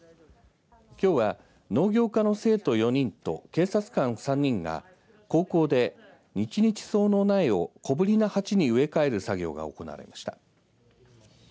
きょうは農業科の生徒４人と警察官３人が高校で日々草の苗を小ぶりな鉢に植え替える作業が行われました。